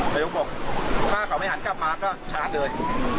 ผมก็บอกถ้าเขาไม่หันกลับมาก็ชาร์จเลย